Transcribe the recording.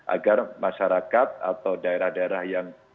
agar masyarakat atau daerah daerah yang